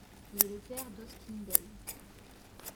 Il est le père d'Austin Daye.